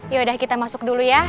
yaudah kita masuk dulu ya